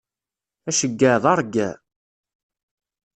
Aceggeɛ d aṛeggeɛ.